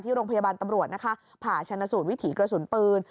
โรงพยาบาลตำรวจนะคะผ่าชนสูตรวิถีกระสุนปืน